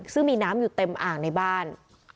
ซึ่งมีน้ำอยู่เต็มอ่างในบ้าน